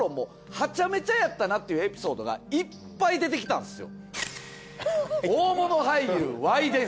はちゃめちゃやったなっていうエピソードがいっぱい出てきたんですよ。